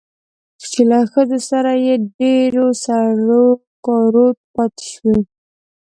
چې له ښځو سره يې ډېر سرو کارو پاتې شوى